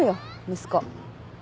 息子。